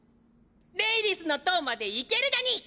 レイリスの塔まで行けるだに！